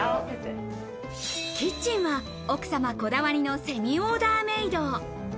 キッチンは奥様こだわりのセミオーダーメイド。